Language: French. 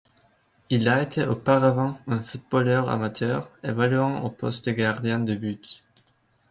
Il a été auparavant un footballeur amateur, évoluant au poste de gardien de but.